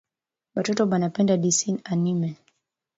Batoto banapenda dissin annimé